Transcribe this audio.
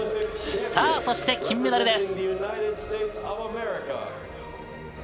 そして金メダルです。